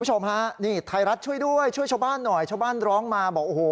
คุณผู้ชมฮะนี่ไทยรัฐช่วยด้วยช่วยชาวบ้านหน่อยชาวบ้านร้องมาบอกโอ้โห